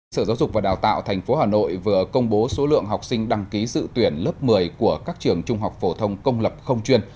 sở giáo dục và đào tạo tp hà nội vừa công bố số lượng học sinh đăng ký dự tuyển lớp một mươi của các trường trung học phổ thông công lập không chuyên